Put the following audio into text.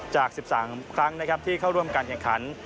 จาก๑๓ครั้งที่เข้าร่วมกันแข่งขัน